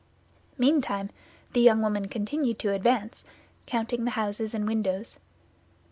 Meantime the young woman continued to advance, counting the houses and windows.